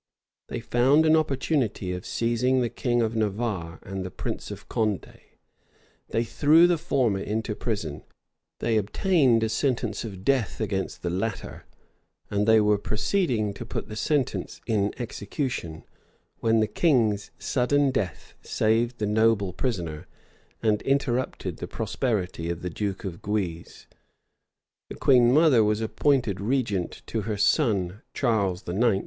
They found an opportunity of seizing the king of Navarre and the prince of Condé; they threw the former into prison; they obtained a sentence of death against the latter; and they were proceeding to put the sentence in execution, when the king's sudden death saved the noble prisoner, and interrupted the prosperity of the duke of Guise. The queen mother was appointed regent to her son Charles IX.